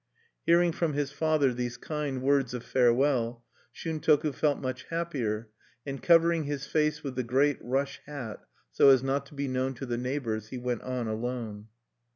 Hearing from his father these kind words of farewell, Shuntoku felt much happier, and covering his face with the great rush hat, so as not to be known to the neighbors, he went on alone.